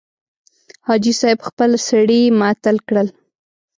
حاجي صاحب خپل سړي معطل کړل.